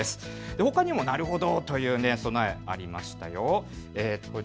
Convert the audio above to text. ほかにも、なるほどという備えありました。